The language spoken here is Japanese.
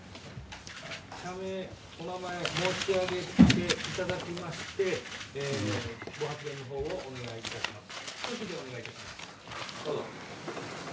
社名、お名前を申し上げていただきましてご発言のほうをお願い致します。